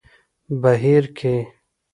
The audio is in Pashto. بهير کې